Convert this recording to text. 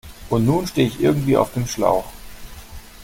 Und nun stehe ich irgendwie auf dem Schlauch.